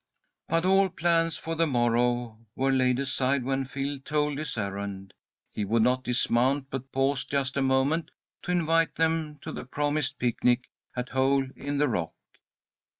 But all plans for the morrow were laid aside when Phil told his errand. He would not dismount, but paused just a moment to invite them to the promised picnic at Hole in the rock.